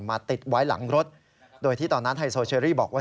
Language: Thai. ติดไว้หลังรถโดยที่ตอนนั้นไฮโซเชอรี่บอกว่า